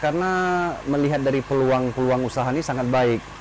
karena melihat dari peluang peluang usaha ini sangat baik